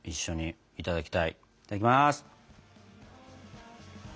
いただきます！